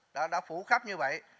đã phủ khắp như vậy